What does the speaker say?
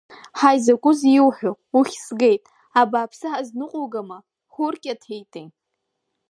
Ҳаи, закәызеи иуҳәо, уххь згеит, абааԥсы ҳазныҟәугама, ҳуркьаҭеитеи!